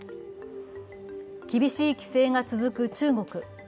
厳しい規制が続く中国。